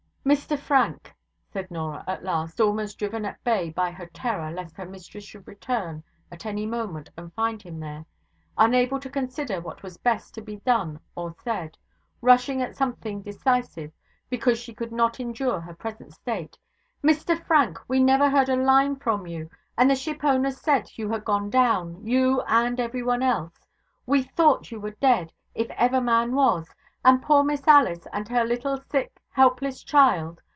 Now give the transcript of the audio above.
'Mr Frank!' said Norah at last, almost driven to bay by her terror lest her mistress should return at any moment and find him there unable to consider what was best to be done or said rushing at something decisive, because she could not endure her present state: 'Mr Frank! we never heard a line from you, and the shipowners said you had gone down, you and everyone else. We thought you were dead, if ever man was, and poor Miss Alice and her little sick, helpless child!